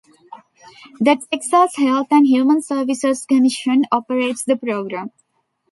The Texas Health and Human Services Commission operates the program.